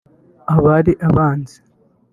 Abari abanzi